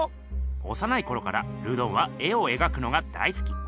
おさないころからルドンは絵を描くのが大好き。